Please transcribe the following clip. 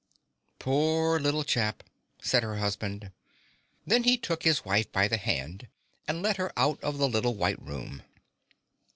"Poor little chap," said her husband. Then he took his wife by the hand and led her out of the little white room.